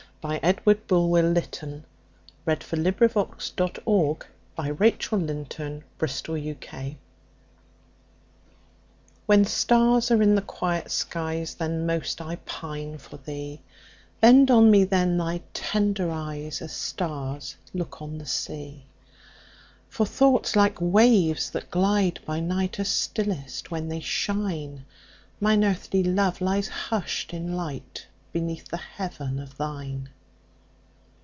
Edward Bulwer Lytton, 1st Baron Lytton 1803–73 When Stars Are in the Quiet Skies BulwerLyEG WHEN stars are in the quiet skies, Then most I pine for thee; Bend on me then thy tender eyes, As stars look on the sea! For thoughts, like waves that glide by night, Are stillest when they shine; Mine earthly love lies hush'd in lightBeneath the heaven of thine.